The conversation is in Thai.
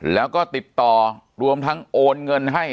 แล้วก็ติดต่อรวมทั้งโอนเงินให้